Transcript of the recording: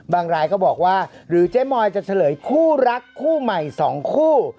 รายก็บอกว่าหรือเจ๊มอยจะเฉลยคู่รักคู่ใหม่๒คู่